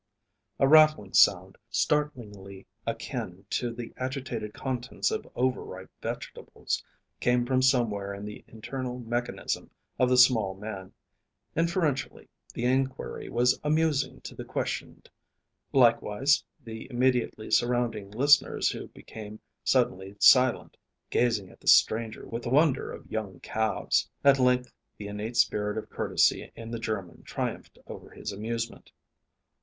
A rattling sound, startlingly akin to the agitated contents of over ripe vegetables, came from somewhere in the internal mechanism of the small man. Inferentially, the inquiry was amusing to the questioned, likewise the immediately surrounding listeners who became suddenly silent, gazing at the stranger with the wonder of young calves. At length the innate spirit of courtesy in the German triumphed over his amusement.